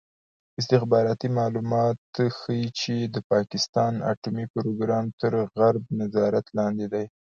استخباراتي معلومات ښيي چې د پاکستان اټومي پروګرام تر غرب نظارت لاندې دی.